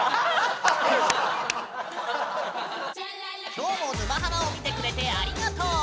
今日も「沼ハマ」を見てくれてありがとう。